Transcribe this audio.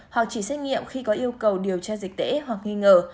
hoặc chỉ xét nghiệm khi có yêu cầu điều tra dịch tễ hoặc nghi ngờ